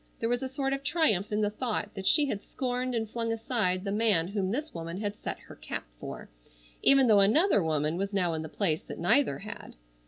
There was a sort of triumph in the thought that she had scorned and flung aside the man whom this woman had "set her cap" for, even though another woman was now in the place that neither had.